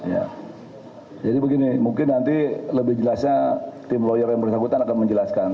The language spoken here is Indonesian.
ya jadi begini mungkin nanti lebih jelasnya tim lawyer yang bersangkutan akan menjelaskan